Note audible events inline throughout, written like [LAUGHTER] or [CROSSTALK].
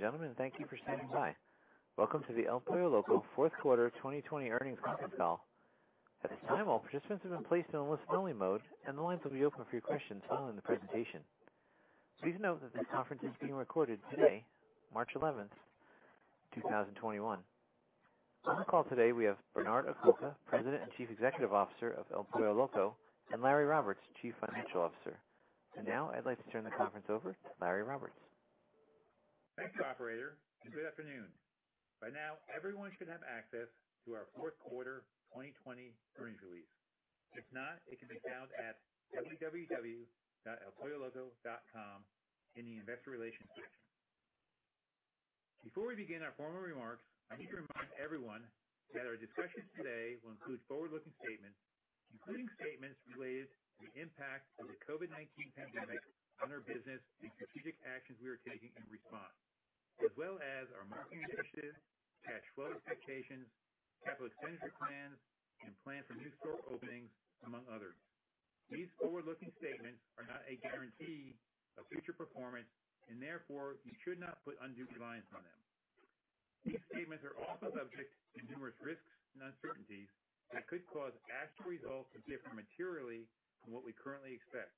Ladies and gentlemen, thank you for standing by. Welcome to the El Pollo Loco fourth quarter 2020 earnings conference call. At this time, all participants have been placed in a listen only mode, and the lines will be open for your questions following the presentation. Please note that this conference is being recorded today, March 11th, 2021. On the call today we have Bernard Acoca, President and Chief Executive Officer of El Pollo Loco, and Larry Roberts, Chief Financial Officer. Now I'd like to turn the conference over to Larry Roberts. Thanks, operator. Good afternoon. By now everyone should have access to our fourth quarter 2020 earnings release. If not, it can be found at www.elpolloloco.com in the investor relations section. Before we begin our formal remarks, I need to remind everyone that our discussions today will include forward-looking statements, including statements related to the impact of the COVID-19 pandemic on our business and strategic actions we are taking in response, as well as our marketing initiatives, cash flow expectations, capital expenditure plans, and plans for new store openings, among others. These forward-looking statements are not a guarantee of future performance. Therefore, you should not put undue reliance on them. These statements are also subject to numerous risks and uncertainties that could cause actual results to differ materially from what we currently expect.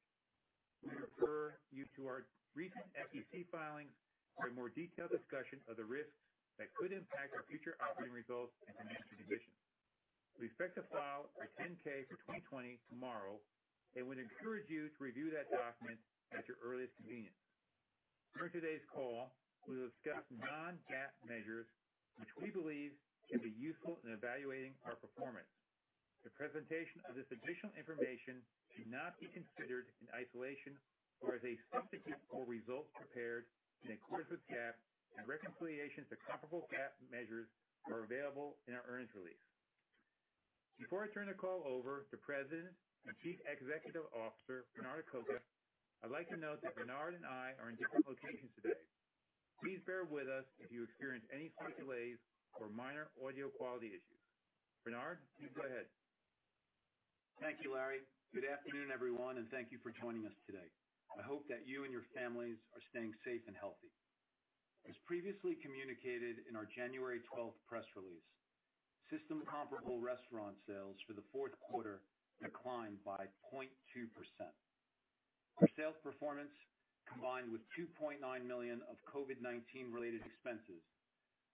We refer you to our recent SEC filings for a more detailed discussion of the risks that could impact our future operating results and financial condition. We expect to file our 10-K for 2020 tomorrow, and would encourage you to review that document at your earliest convenience. During today's call, we will discuss non-GAAP measures, which we believe can be useful in evaluating our performance. The presentation of this additional information should not be considered in isolation or as a substitute for results prepared in accordance with GAAP, and reconciliations to comparable GAAP measures are available in our earnings release. Before I turn the call over to President and Chief Executive Officer, Bernard Acoca, I'd like to note that Bernard and I are in different locations today. Please bear with us if you experience any slight delays or minor audio quality issues. Bernard, you can go ahead. Thank you, Larry. Good afternoon, everyone, and thank you for joining us today. I hope that you and your families are staying safe and healthy. As previously communicated in our January 12th press release, system comparable restaurant sales for the fourth quarter declined by 0.2%. Our sales performance, combined with $2.9 million of COVID-19 related expenses,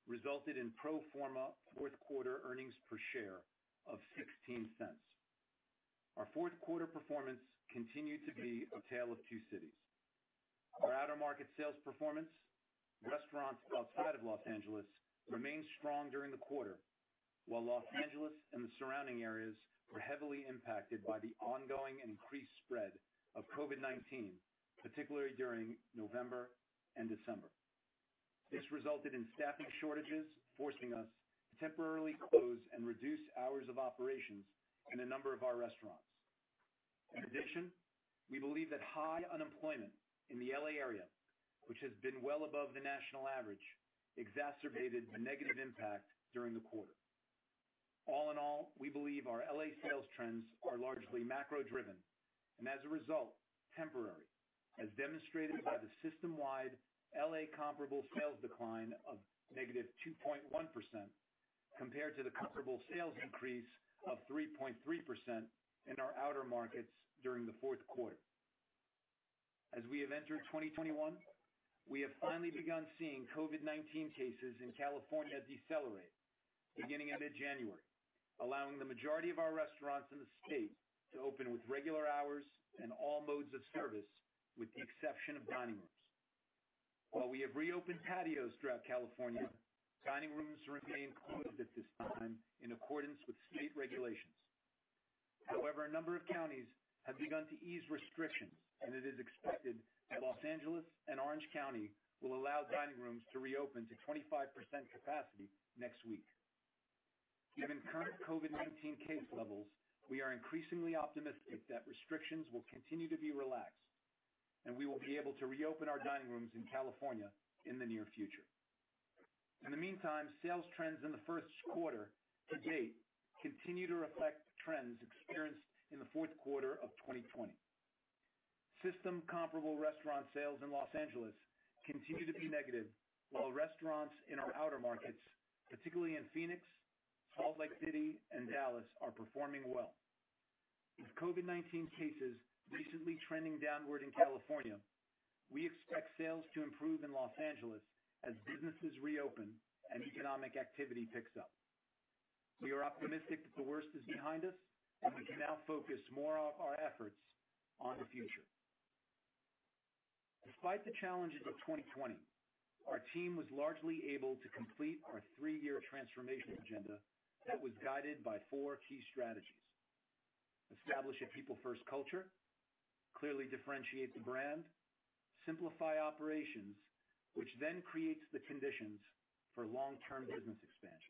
resulted in pro forma fourth quarter earnings per share of $0.16. Our fourth quarter performance continued to be a tale of two cities. Our outer market sales performance, restaurants outside of Los Angeles, remained strong during the quarter, while Los Angeles and the surrounding areas were heavily impacted by the ongoing and increased spread of COVID-19, particularly during November and December. This resulted in staffing shortages, forcing us to temporarily close and reduce hours of operations in a number of our restaurants. In addition, we believe that high unemployment in the L.A. area, which has been well above the national average, exacerbated the negative impact during the quarter. All in all, we believe our L.A. sales trends are largely macro driven, and as a result, temporary, as demonstrated by the system-wide L.A. comparable sales decline of -2.1%, compared to the comparable sales increase of 3.3% in our outer markets during the fourth quarter. As we have entered 2021, we have finally begun seeing COVID-19 cases in California decelerate beginning in mid-January, allowing the majority of our restaurants in the state to open with regular hours and all modes of service with the exception of dining rooms. While we have reopened patios throughout California, dining rooms remain closed at this time in accordance with state regulations. A number of counties have begun to ease restrictions, and it is expected that Los Angeles and Orange County will allow dining rooms to reopen to 25% capacity next week. Given current COVID-19 case levels, we are increasingly optimistic that restrictions will continue to be relaxed, and we will be able to reopen our dining rooms in California in the near future. In the meantime, sales trends in the first quarter to date continue to reflect trends experienced in the fourth quarter of 2020. System comparable restaurant sales in Los Angeles continue to be negative, while restaurants in our outer markets, particularly in Phoenix, Salt Lake City, and Dallas, are performing well. With COVID-19 cases recently trending downward in California, we expect sales to improve in Los Angeles as businesses reopen and economic activity picks up. We are optimistic that the worst is behind us, and we can now focus more of our efforts on the future. Despite the challenges of 2020, our team was largely able to complete our three-year Transformation Agenda that was guided by four key strategies: establish a people first culture, clearly differentiate the brand, simplify operations, which then creates the conditions for long-term business expansion.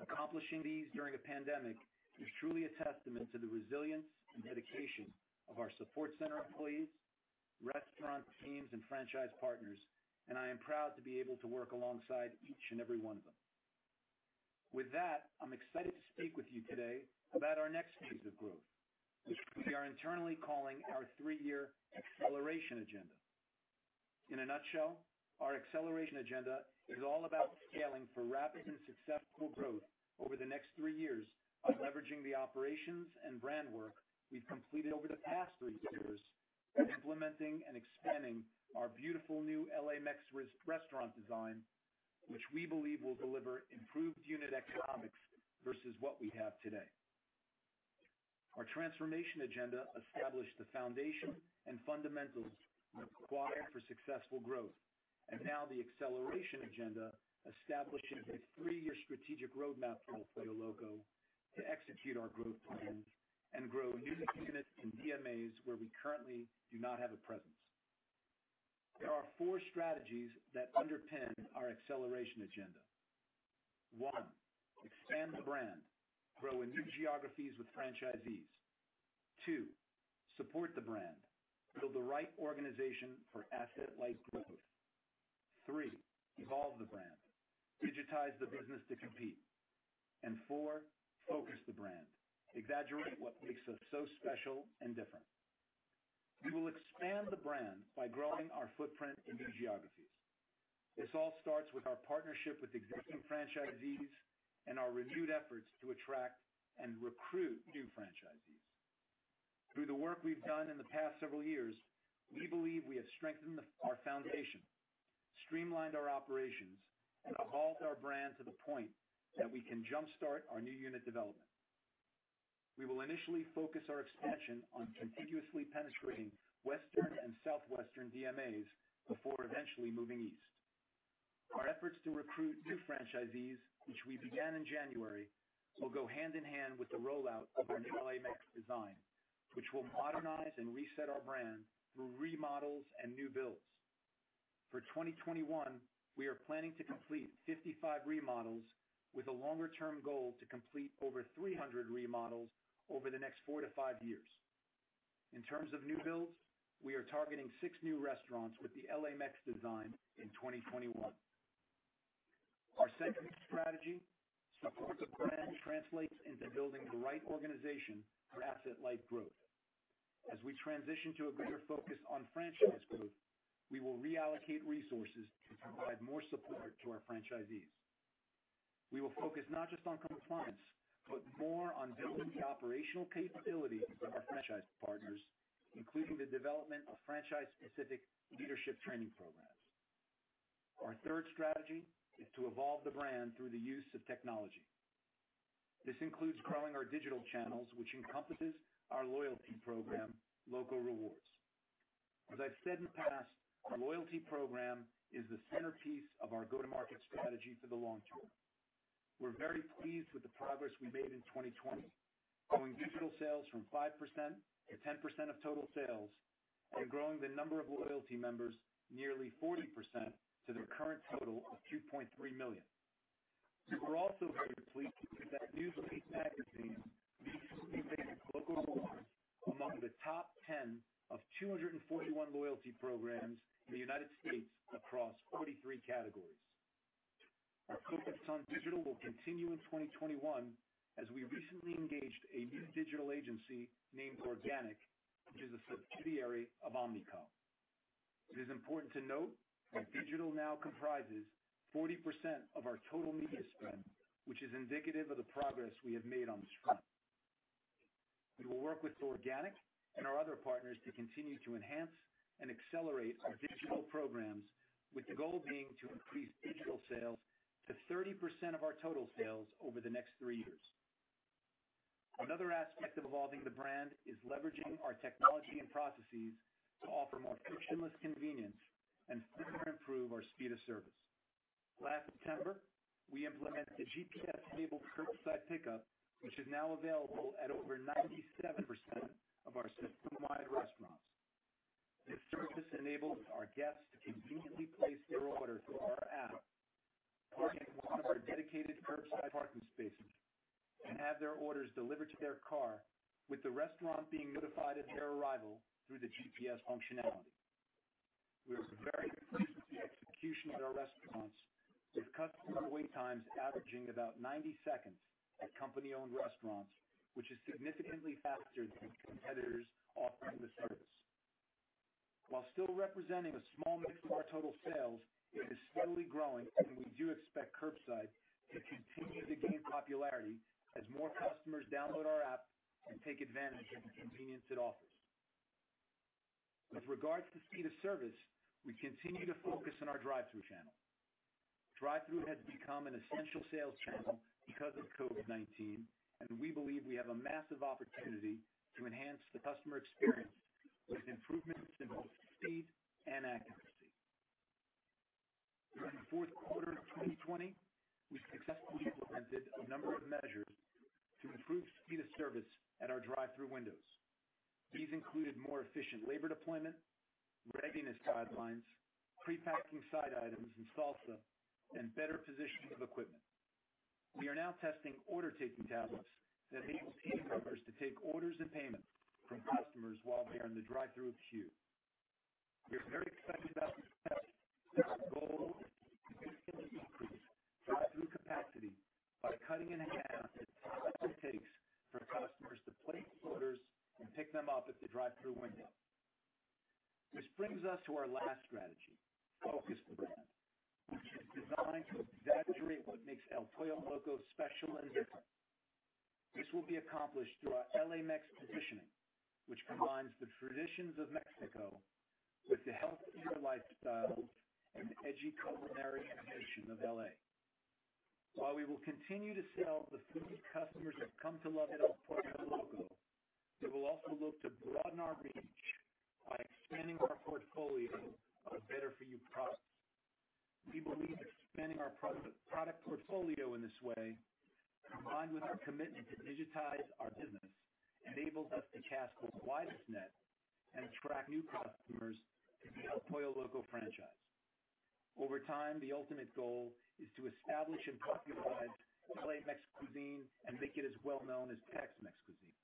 Accomplishing these during a pandemic is truly a testament to the resilience and dedication of our support center employees, restaurant teams, and franchise partners, and I am proud to be able to work alongside each and every one of them. With that, I'm excited to speak with you today about our next phase of growth, which we are internally calling our three-year Acceleration Agenda. In a nutshell, our Acceleration Agenda is all about scaling for rapid and successful growth over the next three years by leveraging the operations and brand work we've completed over the past three years, and implementing and expanding our beautiful new L.A. Mex restaurant design, which we believe will deliver improved unit economics versus what we have today. Our Transformation Agenda established the foundation and fundamentals required for successful growth. Now the Acceleration Agenda establishes a three-year strategic roadmap for El Pollo Loco to execute our growth plans and grow new units in DMAs where we currently do not have a presence. There are four strategies that underpin our Acceleration Agenda. One, expand the brand. Grow in new geographies with franchisees. Two, support the brand. Build the right organization for asset-light growth. Three, evolve the brand. Digitize the business to compete. Four, focus the brand. Exaggerate what makes us so special and different. We will expand the brand by growing our footprint in new geographies. This all starts with our partnership with existing franchisees and our renewed efforts to attract and recruit new franchisees. Through the work we've done in the past several years, we believe we have strengthened our foundation, streamlined our operations, and evolved our brand to the point that we can jumpstart our new unit development. We will initially focus our expansion on contiguously penetrating Western and Southwestern DMAs before eventually moving east. Our efforts to recruit new franchisees, which we began in January, will go hand in hand with the rollout of our new L.A. Mex design, which will modernize and reset our brand through remodels and new builds. For 2021, we are planning to complete 55 remodels with a longer-term goal to complete over 300 remodels over the next four to five years. In terms of new builds, we are targeting six new restaurants with the L.A. Mex design in 2021. Our second strategy, support the brand, translates into building the right organization for asset-light growth. As we transition to a greater focus on franchise growth, we will reallocate resources to provide more support to our franchisees. We will focus not just on compliance, but more on building the operational capabilities of our franchise partners, including the development of franchise-specific leadership training programs. Our third strategy is to evolve the brand through the use of technology. This includes growing our digital channels, which encompasses our loyalty program, Loco Rewards. As I've said in the past, our loyalty program is the centerpiece of our go-to-market strategy for the long term. We're very pleased with the progress we made in 2020, growing digital sales from 5% to 10% of total sales, and growing the number of loyalty members nearly 40% to their current total of 2.3 million. We were also very pleased that Newsweek Magazine recently ranked Loco Rewards among the top 10 of 241 loyalty programs in the United States across 43 categories. Our focus on digital will continue in 2021, as we recently engaged a new digital agency named Organic, which is a subsidiary of Omnicom. It is important to note that digital now comprises 40% of our total media spend, which is indicative of the progress we have made on this front. We will work with Organic and our other partners to continue to enhance and accelerate our digital programs, with the goal being to increase digital sales to 30% of our total sales over the next three years. Another aspect of evolving the brand is leveraging our technology and processes to offer more frictionless convenience and further improve our speed of service. Last September, we implemented the GPS-enabled curbside pickup, which is now available at over 97% of our system-wide restaurants. This service enables our guests to conveniently place their order through our app, park in one of our dedicated curbside parking spaces, and have their orders delivered to their car, with the restaurant being notified of their arrival through the GPS functionality. We are very pleased with the execution at our restaurants, with customer wait times averaging about 90 seconds at company-owned restaurants, which is significantly faster than competitors offering this service. While still representing a small mix of our total sales, it is steadily growing, and we do expect curbside to continue to gain popularity as more customers download our app and take advantage of the convenience it offers. With regards to speed of service, we continue to focus on our drive-thru channel. Drive-thru has become an essential sales channel because of COVID-19, and we believe we have a massive opportunity to enhance the customer experience with improvements in both speed and accuracy. During the fourth quarter of 2020, we successfully implemented a number of measures to improve speed of service at our drive-thru windows. These included more efficient labor deployment, readiness guidelines, pre-packing side items and salsa, and better positioning of equipment. We are now testing order-taking tablets that enable team members to take orders and payment from customers while they are in the drive-thru queue. We are very excited about this test. Our goal is to significantly increase drive-thru capacity by cutting in half the time it takes for customers to place orders and pick them up at the drive-thru window. Which brings us to our last strategy, Focus the Brand, which is designed to exaggerate what makes El Pollo Loco special and different. This will be accomplished through our L.A. Mex positioning, which combines the traditions of Mexico with the healthier lifestyles and edgy culinary tradition of L.A. While we will continue to sell the food customers have come to love at El Pollo Loco, we will also look to broaden our reach by expanding our portfolio of better-for-you products. We believe expanding our product portfolio in this way, combined with our commitment to digitize our business, enables us to cast the widest net and attract new customers to the El Pollo Loco franchise. Over time, the ultimate goal is to establish and popularize L.A. Mex cuisine and make it as well known as Tex-Mex cuisine.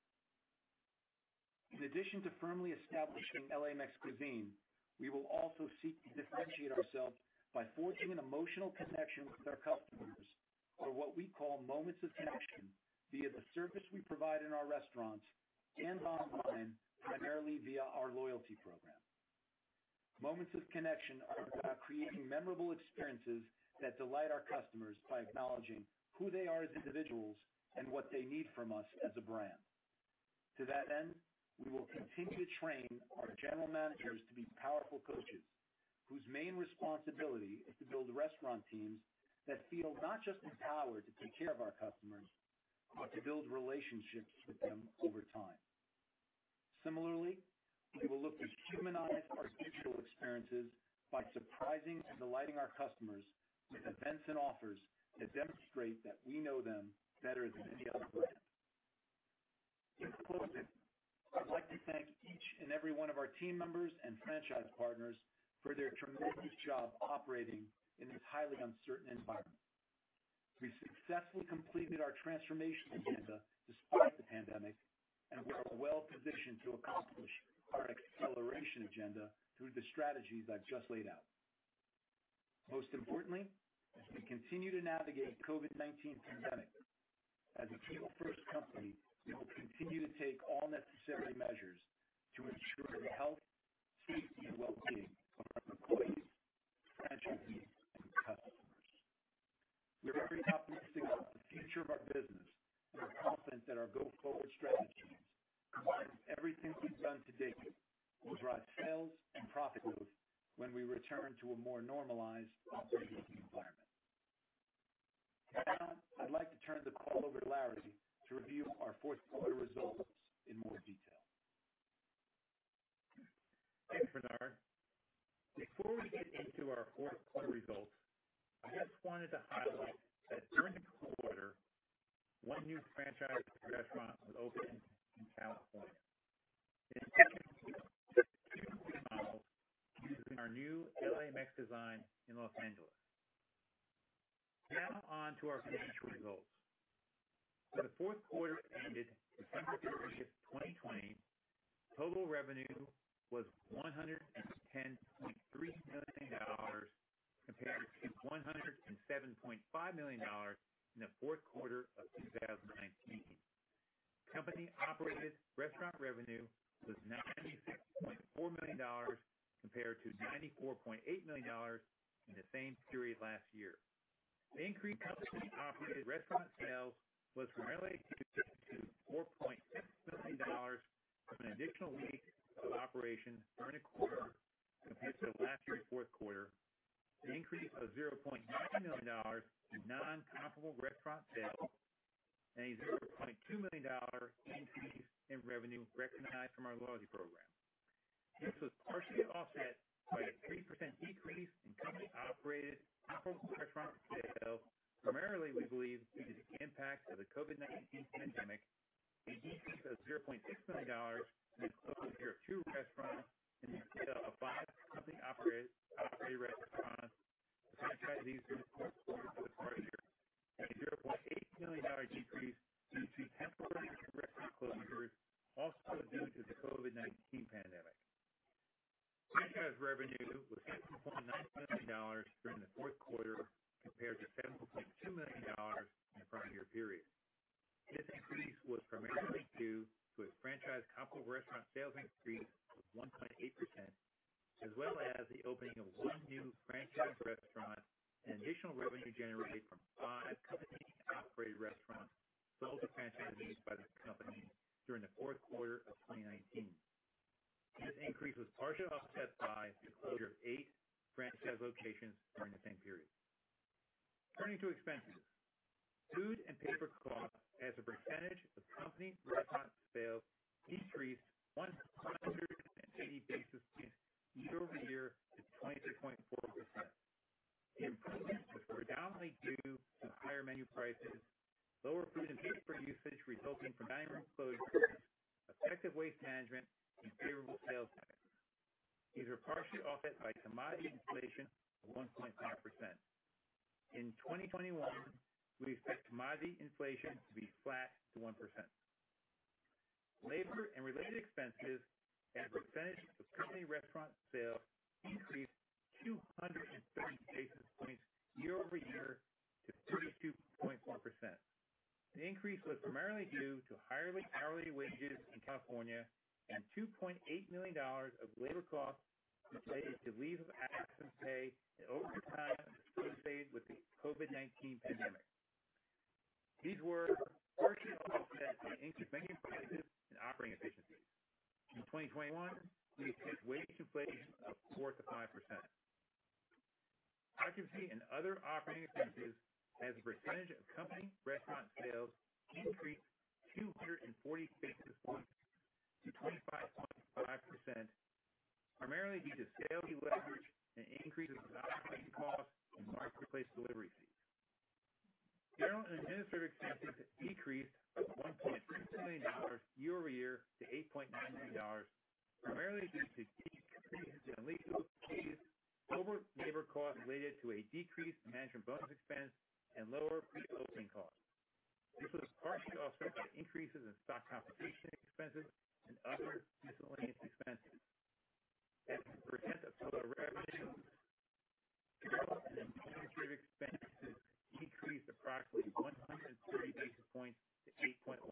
In addition to firmly establishing L.A. Mex cuisine, we will also seek to differentiate ourselves by forging an emotional connection with our customers, or what we call moments of connection, via the service we provide in our restaurants and online, primarily via our loyalty program. Moments of connection are about creating memorable experiences that delight our customers by acknowledging who they are as individuals and what they need from us as a brand. To that end, we will continue to train our general managers to be powerful coaches, whose main responsibility is to build restaurant teams that feel not just empowered to take care of our customers, but to build relationships with them over time. Similarly, we will look to humanize our digital experiences by surprising and delighting our customers with events and offers that demonstrate that we know them better than any other brand. In closing, I'd like to thank each and every one of our team members and franchise partners for their tremendous job operating in this highly uncertain environment. We successfully completed our transformation agenda despite the pandemic, and we are well positioned to accomplish our acceleration agenda through the strategies I've just laid out. Most importantly, as we continue to navigate the COVID-19 pandemic, as a people-first company, we will continue to take all necessary measures to ensure the health, safety, and wellbeing of our employees, franchisees, and customers. We are very optimistic about the future of our business. We are confident that our go-forward strategies, combined with everything we've done to date, will drive sales and profit growth when we return to a more normalized operating environment. Now, I'd like to turn the call over to Larry to review our fourth quarter results in more detail. Thanks, Bernard. Before we get into our fourth quarter results, I just wanted to highlight that during the quarter, one new franchise restaurant was opened in California. It implements the company model using our new L.A. Mex design in Los Angeles. Now on to our financial results. For the fourth quarter ended December 31st, 2020, total revenue was $110.3 million compared to $107.5 million in the fourth quarter of 2019. Company-operated restaurant revenue was $96.4 million, compared to $94.8 million in the same period last year. The increase in company-operated restaurant sales was primarily attributed to $4.6 million from an additional week of operation during the quarter compared to last year's fourth quarter, an increase of $0.9 million in non-comparable restaurant sales, and a $0.2 million increase in revenue recognized from our loyalty program. This was partially offset by a 3% decrease in company-operated comparable restaurant sales, primarily, we believe, due to the impact of the COVID-19 pandemic, a decrease of $0.6 million during the fourth quarter of 2019. This increase was partially offset by the closure of eight franchise locations during the same period. Turning to expenses. Food and paper cost as a percentage of company restaurant sales increased 180 basis points year-over-year to 23.4%. The improvement was predominantly due to higher menu prices, lower food and paper usage resulting from dining room closures, effective waste management, and favorable sales mix. These were partially offset by commodity inflation of 1.5%. In 2021, we expect commodity inflation to be flat to 1%. Labor and related expenses as a percentage of company restaurant sales increased 230 basis points year-over-year to 32.4%. The increase was primarily due to higher hourly wages in California and $2.8 million of labor costs related to leave of absence pay and overtime associated with the COVID-19 pandemic. These were partially offset by increased banking efficiencies and operating efficiencies. In 2021, we expect wage inflation of 4%-5%. Occupancy and other operating expenses as a percentage of company restaurant sales increased 240 basis points to 25.5%, primarily due to sales deleverage and increases in operating costs and marketplace delivery fees. General and administrative expenses decreased by $1.6 million year-over-year to $8.9 million, primarily due to decreased provisions and lease bonuses, lower labor costs related to a decreased management bonus expense, and lower pre-opening costs. This was partially offset by increases in stock compensation expenses and other miscellaneous expenses. As a percent of total revenues, general and administrative expenses decreased approximately 130 basis points to 8.1%.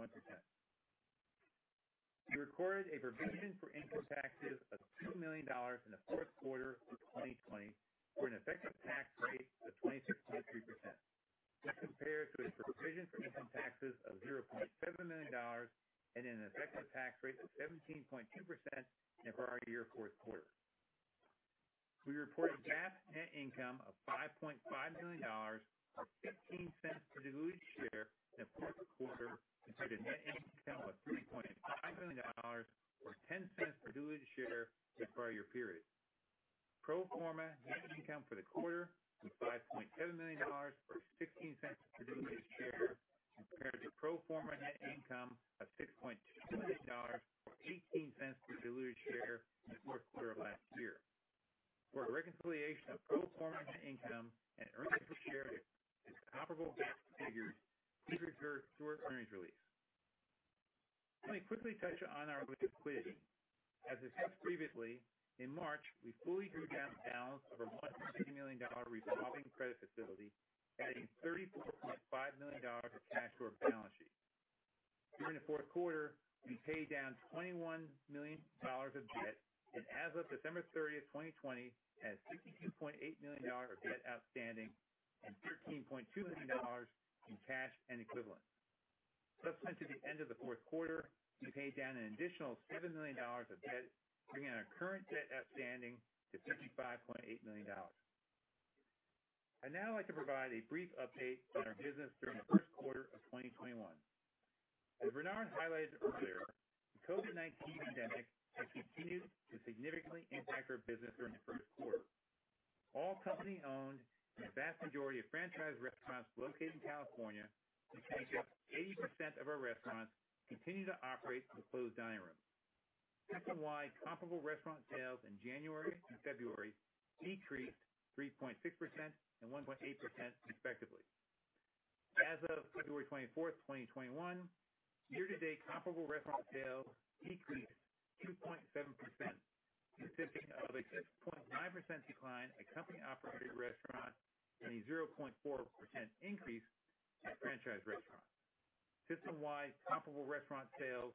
We recorded a provision for income taxes of $2 million in the fourth quarter of 2020 for an effective tax rate of 26.3%. This compares to a provision for income taxes of $0.7 million and an effective tax rate of 17.2% in the prior year fourth quarter. We reported GAAP net income of $5.5 million, or $0.15 per diluted share in the fourth quarter compared to net income of $3.5 million or $0.10 per diluted share the prior year period. Pro forma net income for the quarter was $5.7 million or $0.16 per diluted share compared to pro forma net income of $6.2 million or $0.18 per diluted share in the fourth quarter of last year. For a reconciliation of pro forma net income and earnings per share to comparable GAAP figures, please refer to our earnings release. Let me quickly touch on our liquidity. As discussed previously, in March, we fully drew down the balance of our $150 million revolving credit facility, adding $34.5 million of cash to our balance sheet. During the fourth quarter, we paid down $21 million of debt, and as of December 30th, 2020, had $16.8 million of debt outstanding and $13.2 million in cash and equivalents. Subsequent to the end of the fourth quarter, we paid down an additional $7 million of debt, bringing our current debt outstanding to $55.8 million. I'd now like to provide a brief update on our business during the first quarter of 2021. As Bernard highlighted earlier, the COVID-19 pandemic has continued to significantly impact our business during the first quarter. All company-owned and the vast majority of franchise restaurants located in California, which makes up 80% of our restaurants, continue to operate with closed dining rooms. This is why comparable restaurant sales in January and February decreased 3.6% and 1.8% respectively. As of February 24th, 2021, year-to-date comparable restaurant sales decreased 2.7%, consisting of a 6.5% decline at company-operated restaurants and a 0.4% increase at franchise restaurants. System-wide comparable restaurant sales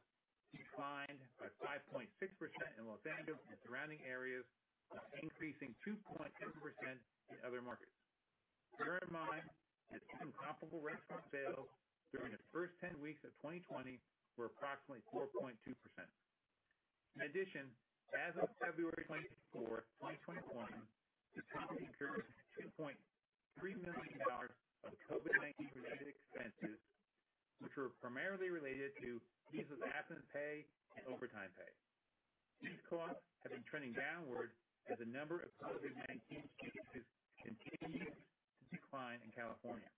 declined by 5.6% in Los Angeles and surrounding areas, while increasing 2.7% in other markets. Bear in mind that system-comparable restaurant sales during the first 10 weeks of 2020 were approximately 4.2%. In addition, as of February 24th, 2021, the company incurred $2.3 million of COVID-19 related expenses, which were primarily related to leaves of absence pay and overtime pay. These costs have been trending downward as the number of COVID-19 cases continues to decline in California.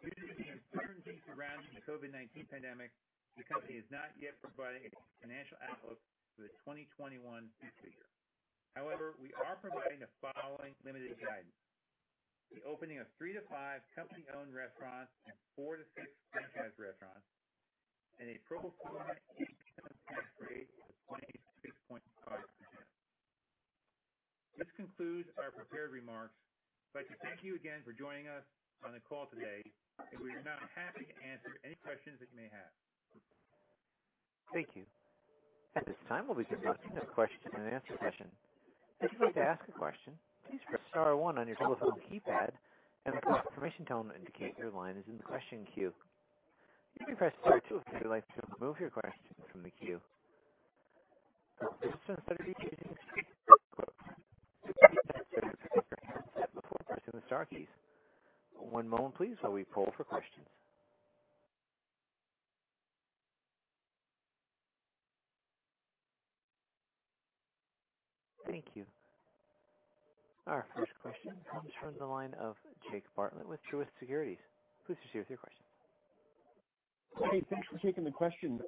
Due to the uncertainty surrounding the COVID-19 pandemic, the company is not yet providing a financial outlook for the 2021 fiscal year. However, we are providing the following limited guidance. The opening of three-five company-owned restaurants and four-six franchise restaurants, and a pro forma income tax rate of 26.5%. This concludes our prepared remarks. I'd like to thank you again for joining us on the call today, and we are now happy to answer any questions that you may have. Thank you. At this time, we'll be looking at question and answer session. If you like to ask a question, please press star one on your telephone keypad and the confirmation tone will indicate your line is in the question queue. You can press two if you like to remove your question from the queue, [INAUDIBLE] one moment please as we pause for questions. Thank you. Our first question comes from the line of Jake Bartlett with Truist Securities. Please proceed with your question. Hey, thanks for taking the question.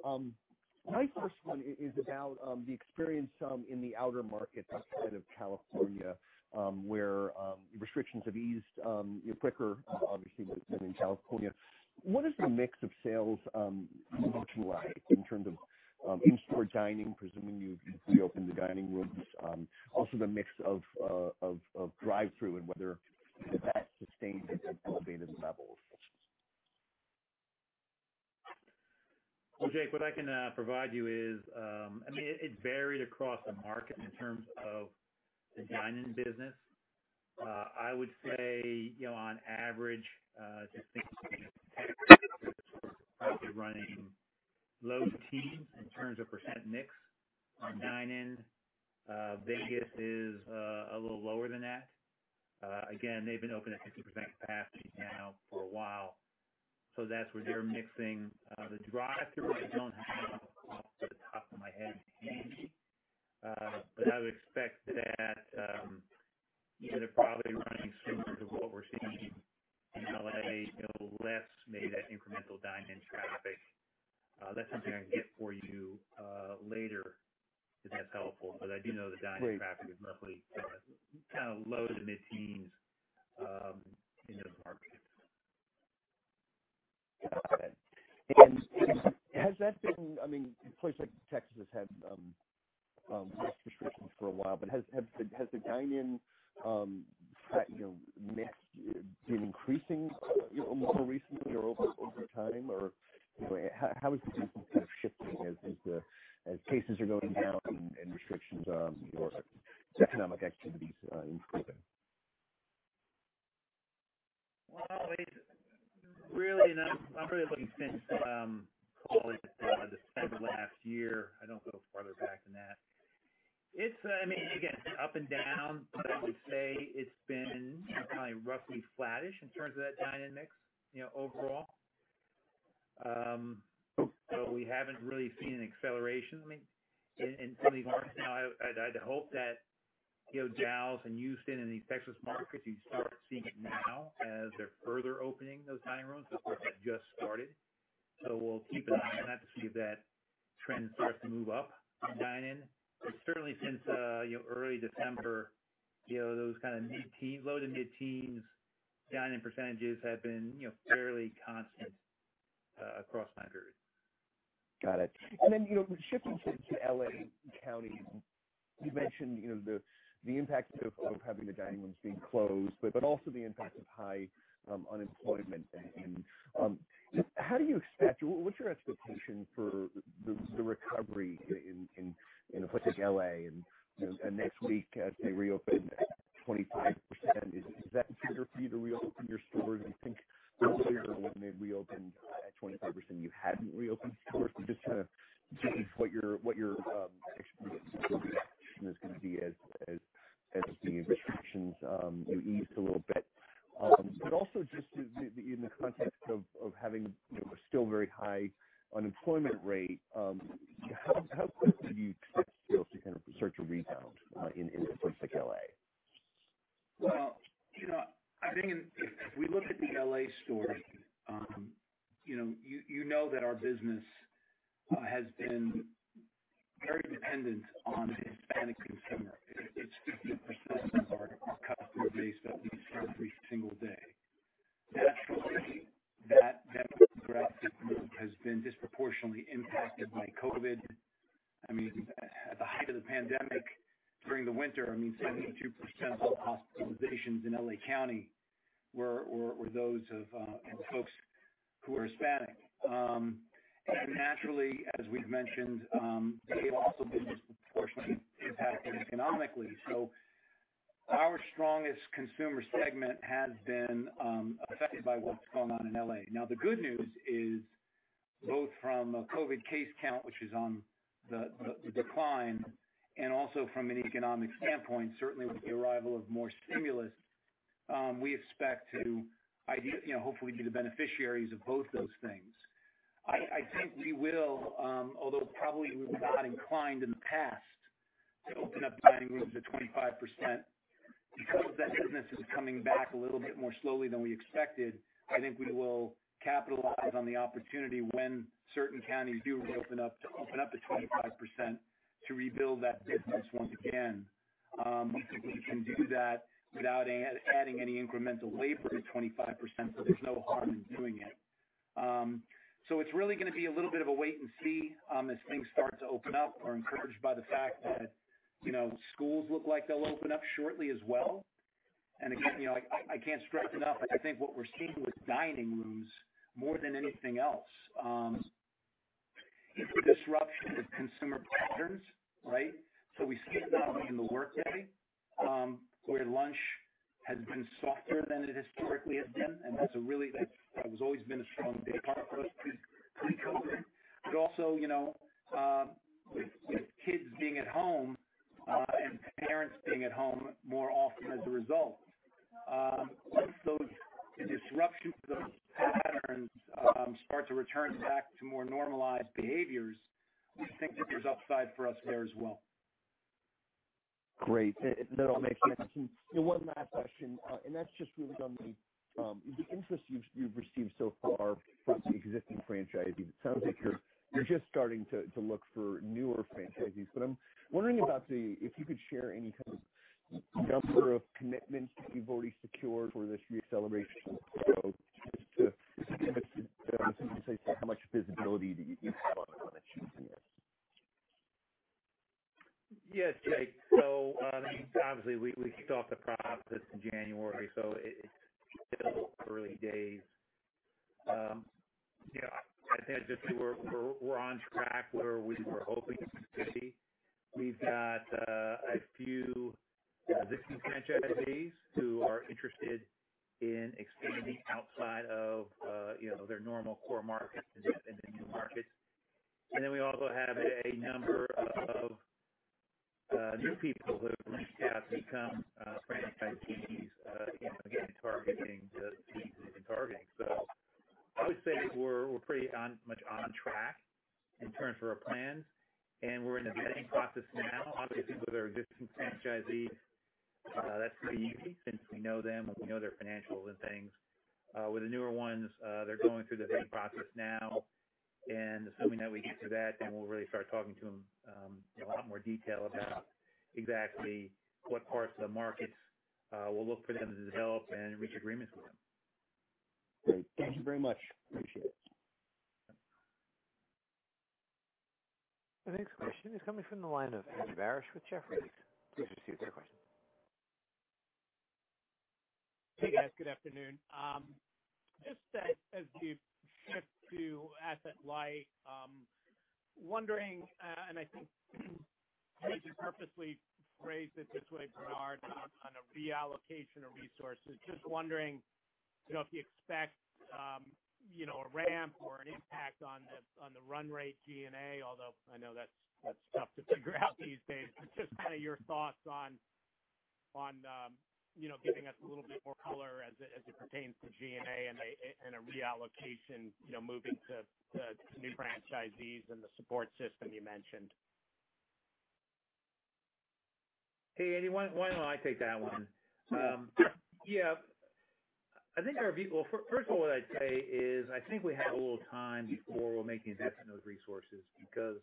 My first one is about the experience in the outer markets outside of California, where restrictions have eased quicker, obviously, than in California. What is the mix of sales function like in terms of in-store dining, presuming you've reopened the dining rooms, also the mix of drive-through and whether that sustained at elevated levels? Well, Jake, what I can provide you is, it varied across the market in terms of the dine-in business. I would say, on average, just thinking of Texas, probably running really looking since COVID-19, December of last year. I don't go farther back than that. It's been up and down, but I would say it's been kind of roughly flattish in terms of that dine-in mix overall. We haven't really seen an acceleration in some of these markets. I'd hope that Dallas and Houston and these Texas markets, you'd start seeing it now as they're further opening those dining rooms. Of course, that just started. We'll keep an eye on that to see if that trend starts to move up in dine in. Certainly since early December, those kind of mid-teens, low to mid-teens dine-in percentages have been fairly constant across my period. Got it. Then, shifting to L.A. County, you mentioned the impact of having the dining rooms being closed, but also the impact of high unemployment and how do you expect, what's your expectation for the recovery in a place like L.A. and next week as they reopen at 25%, is that trigger for you to reopen your stores? Do you think last year when they reopened at 25% and you hadn't reopened stores? I'm just trying to gauge what your expectation is going to be as the restrictions ease a little bit. Also just in the context of having a still very high unemployment rate, how quickly do you expect sales to kind of start to rebound in a place like L.A.? I think if we look at the L.A. story, you know that our business has been very dependent on the Hispanic consumer. It's 50% of our customer base at least every single day. Naturally, that demographic group has been disproportionately impacted by COVID. At the height of the pandemic during the winter, 72% of all hospitalizations in L.A. County were those of folks who are Hispanic. Naturally, as we've mentioned, they've also been disproportionately impacted economically. Our strongest consumer segment has been affected by what's going on in L.A. The good news is both from a COVID case count, which is on the decline, and also from an economic standpoint, certainly with the arrival of more stimulus, we expect to ideally, hopefully, be the beneficiaries of both those things. I think we will, although probably we've not inclined in the past to open up dining rooms at 25%, because that business is coming back a little bit more slowly than we expected. I think we will capitalize on the opportunity when certain counties do open up to 25% to rebuild that business once again. We think we can do that without adding any incremental labor at 25%, so there's no harm in doing it. It's really going to be a little bit of a wait and see as things start to open up. We're encouraged by the fact that schools look like they'll open up shortly as well. Again, I can't stress enough, I think what we're seeing with dining rooms, more than anything else, it's a disruption of consumer patterns, right? We see it not only in the workday, where lunch has been softer than it historically has been, and that's always been a strong day part for us pre-COVID. Also, with kids being at home and parents being at home more often as a result. Once those disruptions, those patterns start to return back to more normalized behaviors, we think that there's upside for us there as well. Great. That'll make sense. One last question, that's just really on the interest you've received so far from existing franchisees. It sounds like you're just starting to look for newer franchisees, I'm wondering if you could share any kind of number of commitments that you've already secured for this re-acceleration. Just to give us a sense how much visibility do you have on achieving this? Yes, Jake. Obviously, we kicked off the process in January, so it's still early days. I'd say that we're on track where we were hoping to be. We've got a few existing franchisees who are interested in expanding outside of their normal core markets into new markets. We also have a number of new people who at least have become franchisees, again, targeting the cities we've been targeting. I would say we're pretty much on track in terms of our plan, and we're in the vetting process now. Obviously, with our existing franchisees, that's pretty easy since we know them and we know their financials and things. With the newer ones, they're going through the vetting process now, and assuming that we get through that, then we'll really start talking to them in a lot more detail about exactly what parts of the markets we'll look for them to develop and reach agreements with them. Great. Thank you very much. Appreciate it. The next question is coming from the line of Andy Barish with Jefferies. Go ahead and proceed with your question. Hey, guys. Good afternoon. Just as you shift to asset light, wondering, and I think you purposely phrased it this way, Bernard, on a reallocation of resources, just wondering if you expect a ramp or an impact on the run rate G&A, although I know that's tough to figure out these days. Just your thoughts on giving us a little bit more color as it pertains to G&A and a reallocation, moving to new franchisees and the support system you mentioned. Hey, Andy, why don't I take that one? Yeah. First of all, what I'd say is, I think we have a little time before we're making investments in those resources, because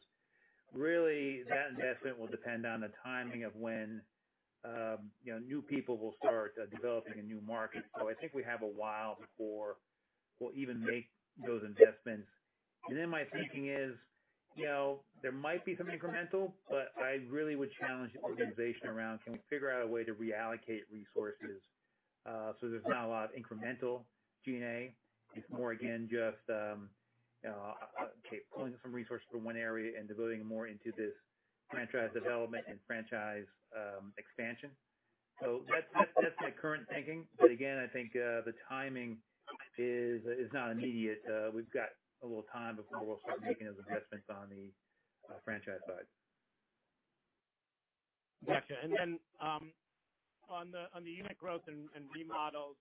really, that investment will depend on the timing of when new people will start developing a new market. I think we have a while before we'll even make those investments. My thinking is, there might be some incremental, but I really would challenge the organization around can we figure out a way to reallocate resources, so there's not a lot of incremental G&A? It's more, again, just pulling some resources from one area and devoting more into this franchise development and franchise expansion. That's my current thinking. Again, I think the timing is not immediate. We've got a little time before we'll start making those investments on the franchise side. Got you. Then on the unit growth and remodels,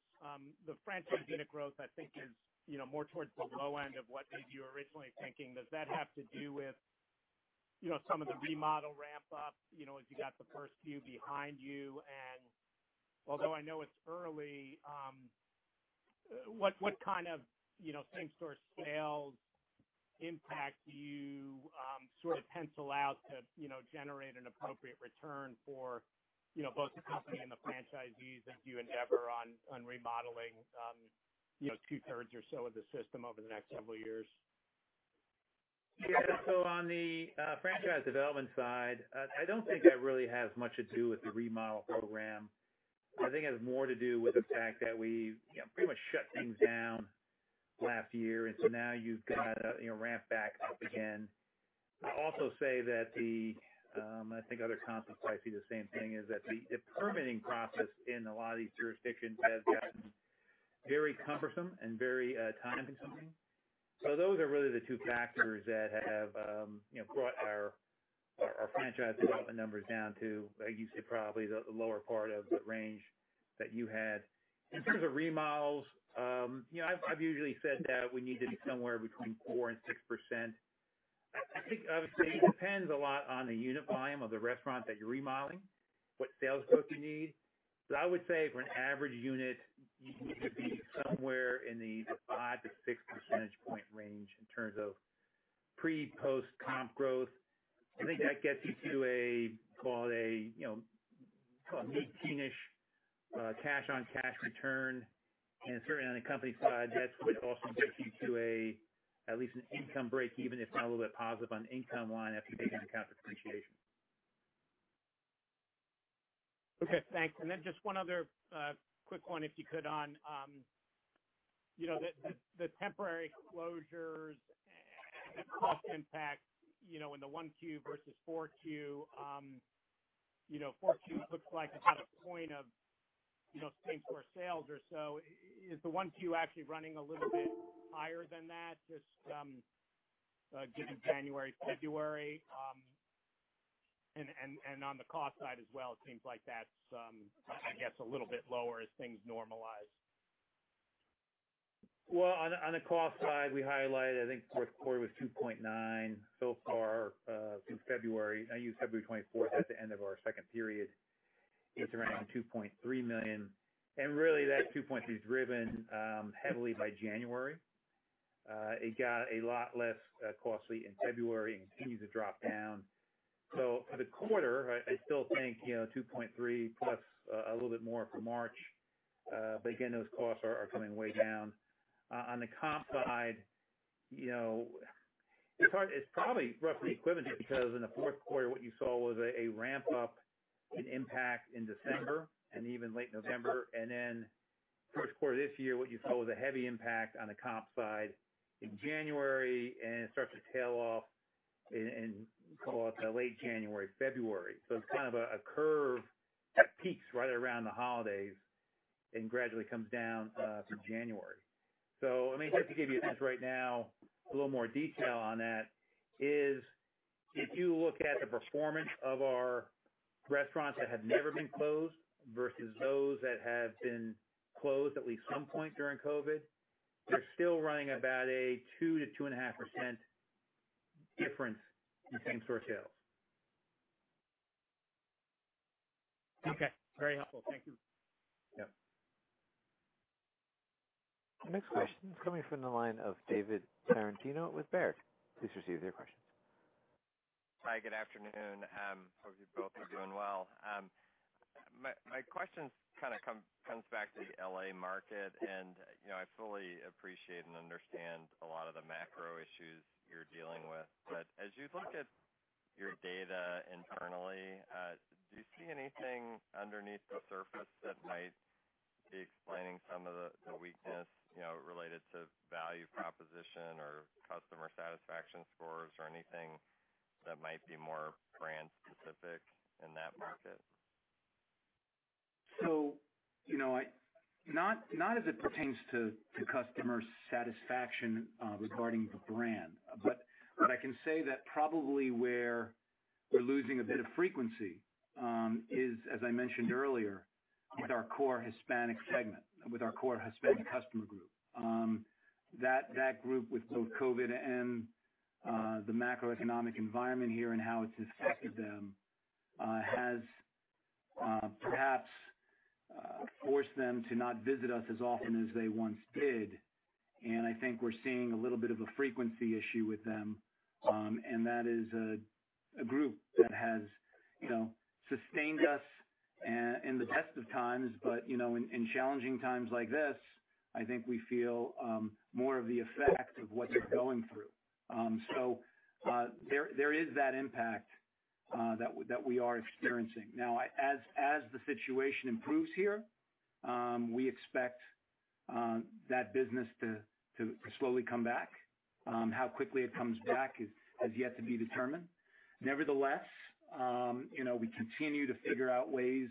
the franchise unit growth, I think is more towards the low end of what you were originally thinking. Does that have to do with some of the remodel ramp up, as you got the first few behind you? Although I know it's early, what kind of same store sales impact do you pencil out to generate an appropriate return for both the company and the franchisees as you endeavor on remodeling two-thirds or so of the system over the next several years? Yeah. On the franchise development side, I don't think that really has much to do with the remodel program. I think it has more to do with the fact that we pretty much shut things down last year, now you've got to ramp back up again. I'd also say that the, I think other concepts probably see the same thing, is that the permitting process in a lot of these jurisdictions has gotten very cumbersome and very time consuming. Those are really the two factors that have brought our franchise development numbers down to, like you said, probably the lower part of the range that you had. In terms of remodels, I've usually said that we need to be somewhere between four and 6%. I think, obviously, it depends a lot on the unit volume of the restaurant that you're remodeling, what sales bump you need. I would say for an average unit, you need to be somewhere in the 5-6 percentage point range in terms of pre-post comp growth. I think that gets you to a mid-teen-ish cash on cash return. Certainly on the company side, that would also get you to at least an income break, even if not a little bit positive on the income line after you take into account depreciation. Okay, thanks. Just one other quick one if you could on the temporary closures and the cost impact, in the 1Q versus 4Q? 4Q looks like it's at a point of same store sales or so. Is the 1Q actually running a little bit higher than that, just given January, February? On the cost side as well, it seems like that's, I guess a little bit lower as things normalize. Well, on the cost side, we highlighted, I think fourth quarter was $2.9 so far. Since February, I use February 24th as the end of our second period. It's around $2.3 million, really that $2.3 is driven heavily by January. It got a lot less costly in February and continues to drop down. For the quarter, I still think $2.3 plus a little bit more for March. Again, those costs are coming way down. On the comp side, it's probably roughly equivalent here because in the fourth quarter what you saw was a ramp-up in impact in December and even late November. First quarter this year, what you saw was a heavy impact on the comp side in January, it starts to tail off in call it late January, February. It's kind of a curve that peaks right around the holidays and gradually comes down through January. Just to give you this right now, a little more detail on that is if you look at the performance of our restaurants that have never been closed versus those that have been closed at least some point during COVID, they're still running about a 2%-2.5% difference in same-store sales. Okay. Very helpful. Thank you. Yeah. The next question is coming from the line of David Tarantino with Baird. Please proceed with your question. Hi, good afternoon. I hope you both are doing well. My question kind of comes back to the L.A. market, and I fully appreciate and understand a lot of the macro issues you're dealing with. As you look at your data internally, do you see anything underneath the surface that might be explaining some of the weakness related to value proposition or customer satisfaction scores, or anything that might be more brand specific in that market? Not as it pertains to customer satisfaction regarding the brand. I can say that probably where we're losing a bit of frequency, is, as I mentioned earlier, with our core Hispanic segment, with our core Hispanic customer group. That group with both COVID-19 and the macroeconomic environment here and how it's affected them, has perhaps forced them to not visit us as often as they once did. I think we're seeing a little bit of a frequency issue with them. That is a group that has sustained us in the best of times. In challenging times like this, I think we feel more of the effect of what they're going through. There is that impact that we are experiencing. Now, as the situation improves here, we expect that business to slowly come back. How quickly it comes back has yet to be determined. Nevertheless, we continue to figure out ways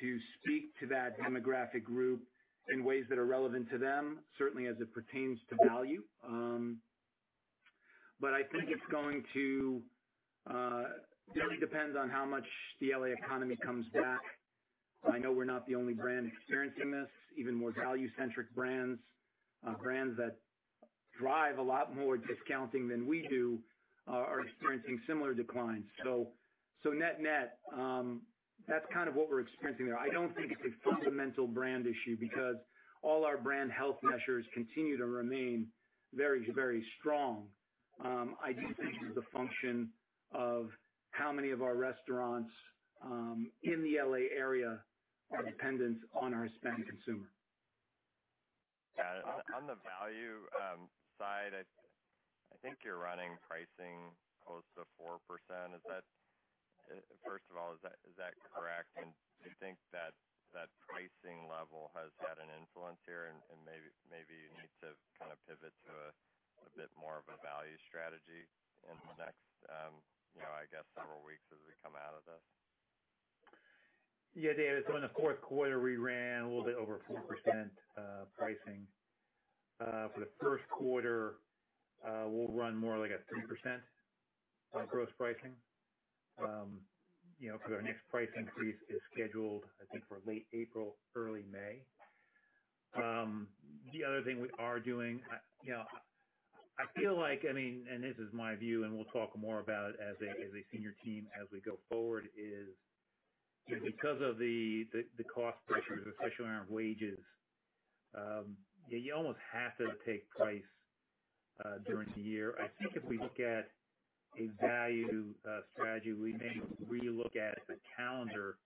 to speak to that demographic group in ways that are relevant to them, certainly as it pertains to value. I think it really depends on how much the L.A. economy comes back. I know we're not the only brand experiencing this. Even more value centric brands that drive a lot more discounting than we do, are experiencing similar declines. Net net, that's kind of what we're experiencing there. I don't think it's a fundamental brand issue because all our brand health measures continue to remain very strong. I do think it's a function of how many of our restaurants in the L.A. area are dependent on our Hispanic consumer. Got it. On the value side, I think you're running pricing close to 4%. First of all, is that correct? Do you think that that pricing level has had an influence here, and maybe you need to kind of pivot to a bit more of a value strategy in the next, I guess, several weeks as we come out of this? Yeah, David. In the fourth quarter, we ran a little bit over 4% pricing. For the first quarter, we'll run more like a 3% on gross pricing because our next price increase is scheduled, I think, for late April, early May. The other thing we are doing, I feel like, and this is my view and we'll talk more about it as a senior team as we go forward, is because of the cost pressures, especially around wages, you almost have to take price during the year. I think if we look at a value strategy, we may relook at the calendar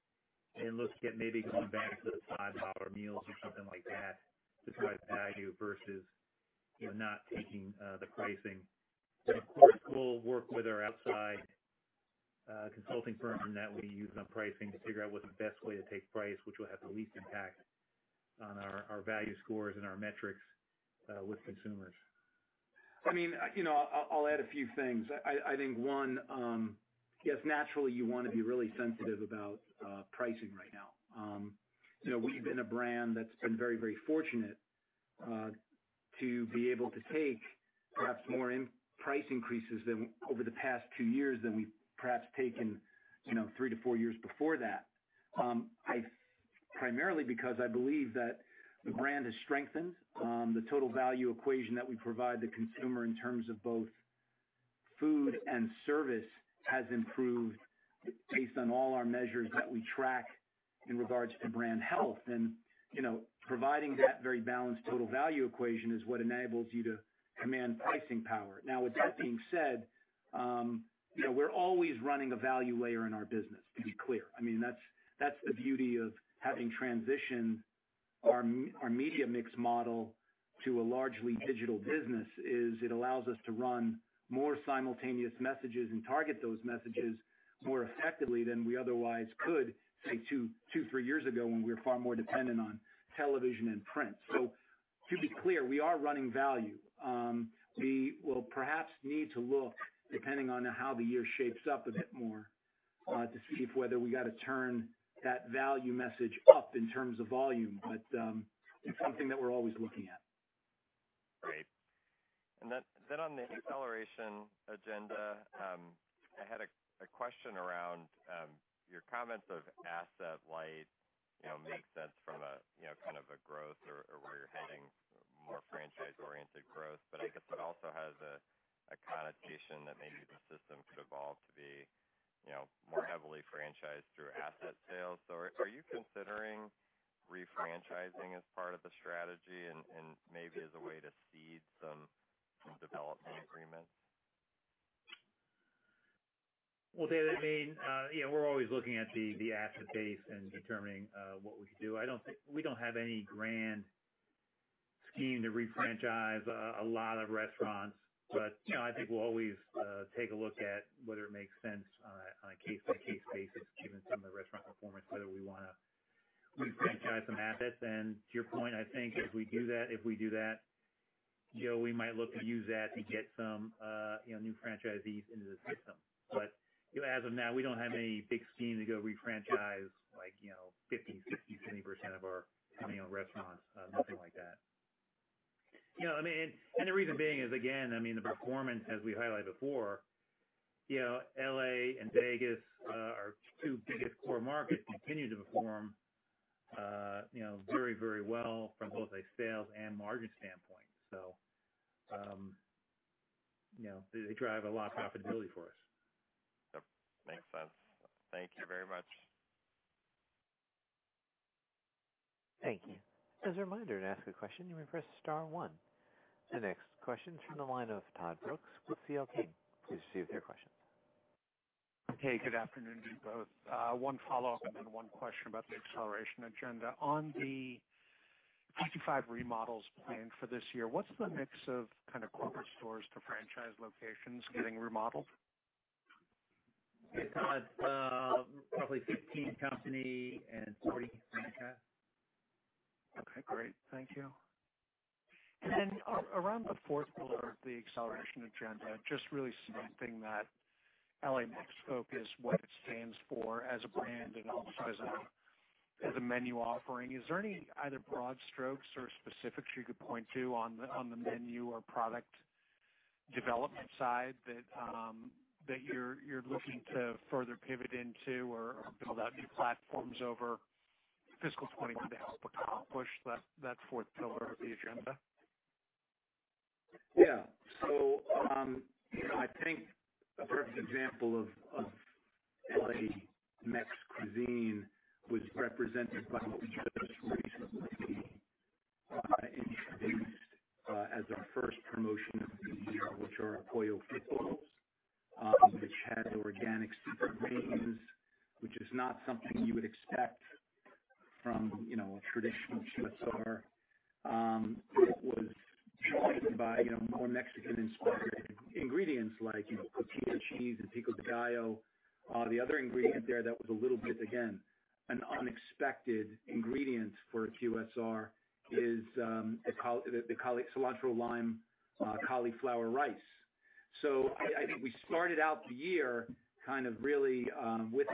and look to get maybe going back to the $5 meals or something like that to drive value versus not taking the pricing. Of course, we'll work with our outside consulting firm on that. We use on pricing to figure out what's the best way to take price, which will have the least impact on our value scores and our metrics with consumers. I'll add a few things. I think one, yes, naturally you want to be really sensitive about pricing right now. We've been a brand that's been very fortunate to be able to take perhaps more price increases over the past two years than we've perhaps taken three to four years before that. Primarily because I believe that the brand has strengthened. The total value equation that we provide the consumer in terms of both food and service has improved based on all our measures that we track in regards to brand health. Providing that very balanced total value equation is what enables you to command pricing power. Now with that being said, we're always running a value layer in our business, to be clear. That's the beauty of having transitioned our media mix model to a largely digital business, is it allows us to run more simultaneous messages and target those messages more effectively than we otherwise could, say, two, three years ago, when we were far more dependent on television and print. To be clear, we are running value. We will perhaps need to look, depending on how the year shapes up a bit more, to see whether we got to turn that value message up in terms of volume. It's something that we're always looking at. Great. On the acceleration agenda, I had a question around your comments of asset light, makes sense from a growth or where you're heading, more franchise-oriented growth. I guess it also has a connotation that maybe the system could evolve to be more heavily franchised through asset sales. Are you considering re-franchising as part of the strategy and maybe as a way to seed some development agreements? Well, Dave, we're always looking at the asset base and determining what we could do. We don't have any grand scheme to re-franchise a lot of restaurants. I think we'll always take a look at whether it makes sense on a case-by-case basis, given some of the restaurant performance, whether we want to re-franchise some assets. To your point, I think if we do that, we might look to use that to get some new franchisees into the system. As of now, we don't have any big scheme to go re-franchise 50, 60, 70% of our restaurants. Nothing like that. The reason being is, again, the performance, as we highlighted before, L.A. and Vegas, our two biggest core markets, continue to perform very well from both a sales and margin standpoint. They drive a lot of profitability for us. Yep. Makes sense. Thank you very much. Thank you. As a reminder, to ask a question, you may press star one. The next question's from the line of Todd Brooks with C.L. King. Please proceed with your question. Hey, good afternoon to you both. One follow-up and then one question about the acceleration agenda. On the 55 remodels planned for this year, what's the mix of corporate stores to franchise locations getting remodeled? Hey, Todd. Probably 15 company and 40 franchise. Okay, great. Thank you. Around the fourth pillar of the acceleration agenda, just really snapping that L.A. Mex focus, what it stands for as a brand and also as a menu offering, is there any either broad strokes or specifics you could point to on the menu or product development side that you're looking to further pivot into or build out new platforms over fiscal 2021 to help accomplish that fourth pillar of the agenda? I think a perfect example of L.A. Mex cuisine was represented by what we just recently introduced as our first promotion of the year, which are Pollo Taquitos, which has organic super greens, which is not something you would expect from a traditional QSR. It was joined by more Mexican-inspired ingredients like cotija cheese and pico de gallo. The other ingredient there that was a little bit, again, an unexpected ingredient for a QSR is the Cilantro Lime Cauliflower Rice. I think we started out the year with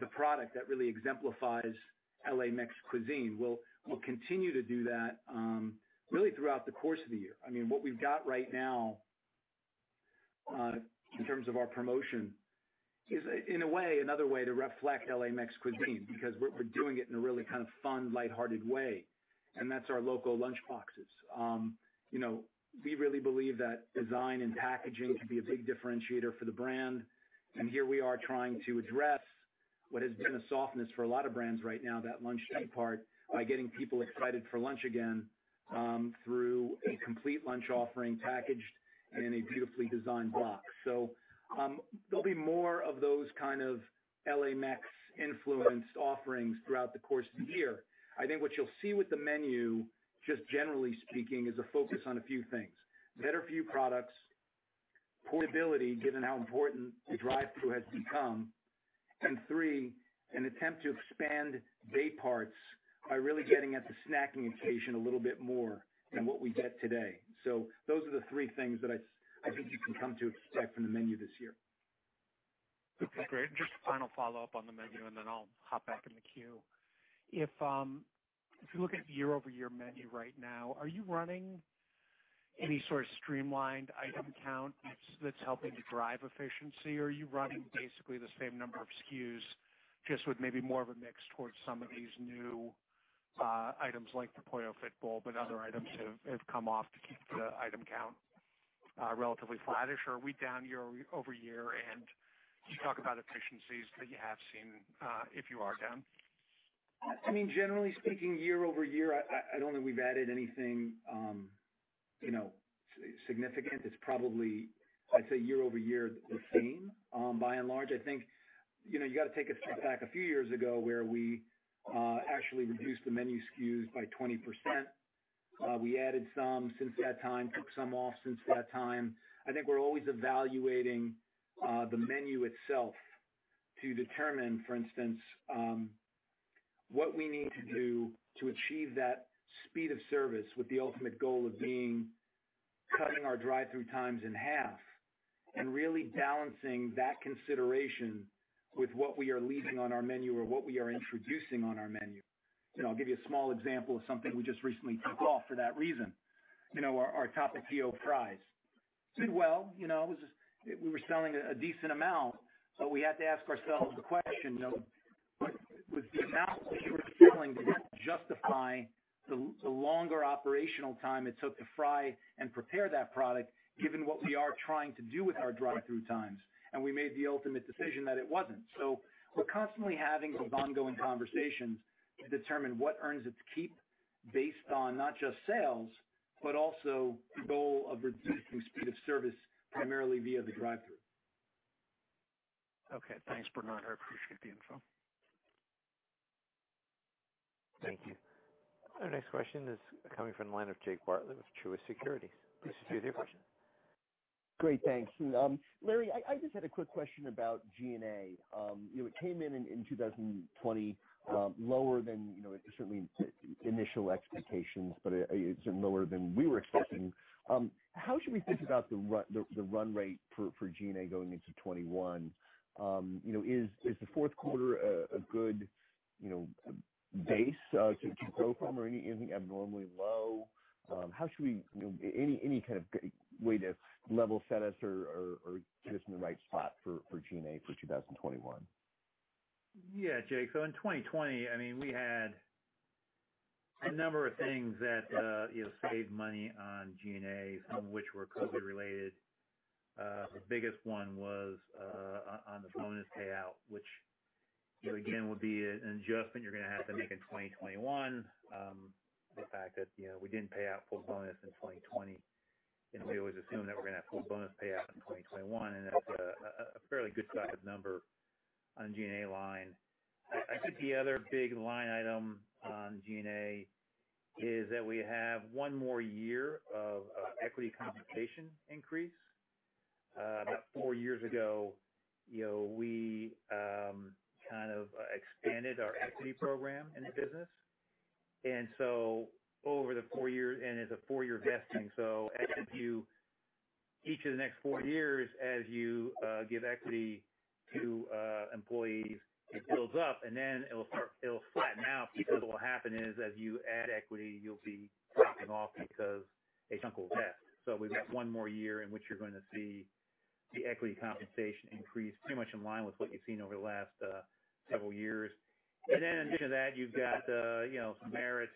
the product that really exemplifies L.A. Mex cuisine. We'll continue to do that really throughout the course of the year. What we've got right now in terms of our promotion is, in a way, another way to reflect L.A. Mex cuisine, because we're doing it in a really fun, lighthearted way. That's our Loco Lunch Boxes. We really believe that design and packaging can be a big differentiator for the brand, here we are trying to address what has been a softness for a lot of brands right now, that lunch daypart, by getting people excited for lunch again through a complete lunch offering packaged in a beautifully designed box. There'll be more of those kind of L.A. Mex influenced offerings throughout the course of the year. I think what you'll see with the menu, just generally speaking, is a focus on a few things. Better few products, portability, given how important the drive-through has become, three, an attempt to expand day parts by really getting at the snacking occasion a little bit more than what we get today. Those are the three things that I think you can come to expect from the menu this year. Okay, great. Just a final follow-up on the menu and then I'll hop back in the queue. If you look at year-over-year menu right now, are you running any sort of streamlined item count that's helping to drive efficiency, or are you running basically the same number of SKUs, just with maybe more of a mix towards some of these new items like the Pollo Fit Bowl, but other items have come off to keep the item count relatively flattish? Or are we down year-over-year? Could you talk about efficiencies that you have seen, if you are down? Generally speaking, year-over-year, I don't think we've added anything significant. It's probably, I'd say year-over-year, the same by and large. I think you got to take us back a few years ago where we actually reduced the menu SKUs by 20%. We added some since that time, took some off since that time. I think we're always evaluating the menu itself to determine, for instance, what we need to do to achieve that speed of service with the ultimate goal of cutting our drive-thru times in half and really balancing that consideration with what we are leaving on our menu or what we are introducing on our menu. I'll give you a small example of something we just recently took off for that reason. Our Topped El Pollo Fries. It did well. We were selling a decent amount, but we had to ask ourselves the question, though, would the amount that we were selling justify the longer operational time it took to fry and prepare that product given what we are trying to do with our drive-thru times? We made the ultimate decision that it wasn't. We're constantly having those ongoing conversations to determine what earns its keep based on not just sales, but also the goal of reducing speed of service, primarily via the drive-thru. Okay. Thanks, Bernard. I appreciate the info. Thank you. Our next question is coming from the line of Jake Bartlett with Truist Securities. Please proceed with your question. Great. Thanks. Larry, I just had a quick question about G&A. It came in in 2020 lower than certainly initial expectations, but it's lower than we were expecting. How should we think about the run rate for G&A going into 2021? Is the fourth quarter a good base to grow from, or anything abnormally low? Any kind of way to level set us or get us in the right spot for G&A for 2021? Yeah, Jake. In 2020, we had a number of things that saved money on G&A, some of which were COVID related. The biggest one was on the bonus payout, which again, would be an adjustment you're going to have to make in 2021. The fact that we didn't pay out full bonus in 2020, and we always assume that we're going to have full bonus payout in 2021, and that's a fairly good sized number on G&A line. I think the other big line item on G&A is that we have one more year of equity compensation increase. About four years ago, we expanded our equity program in the business. It's a four-year vesting, so each of the next four years, as you give equity to employees, it builds up, and then it'll flatten out because what will happen is as you add equity, you'll be dropping off because a chunk will vest. We've got one more year in which you're going to see the equity compensation increase, pretty much in line with what you've seen over the last several years. Then in addition to that, you've got some merit.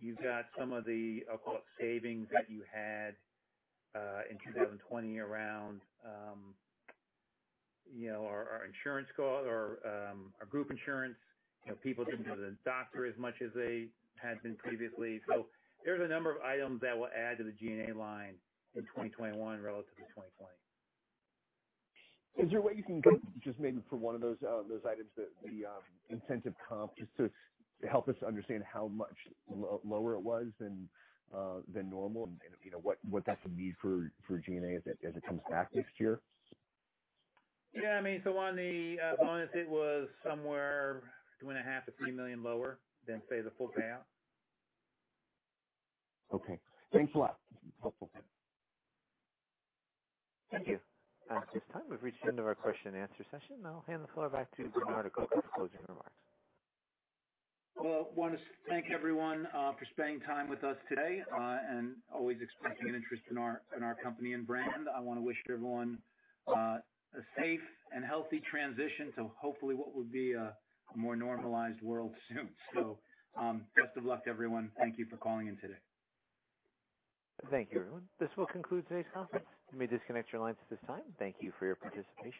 You've got some of the up-front savings that you had in 2020 around our group insurance. People didn't go to the doctor as much as they had been previously. There's a number of items that will add to the G&A line in 2021 relative to 2020. Is there a way you can go just maybe for one of those items, the incentive comp, just to help us understand how much lower it was than normal and what that could mean for G&A as it comes back next year? Yeah. On the bonus, it was somewhere $2.5 million-$3 million lower than, say, the full payout. Okay. Thanks a lot. That's helpful. Thank you. At this time, we've reached the end of our question and answer session. I'll hand the floor back to Bernard to give closing remarks. I want to thank everyone for spending time with us today and always expressing an interest in our company and brand. I want to wish everyone a safe and healthy transition to hopefully what will be a more normalized world soon. Best of luck, everyone. Thank you for calling in today. Thank you, everyone. This will conclude today's conference. You may disconnect your lines at this time. Thank you for your participation.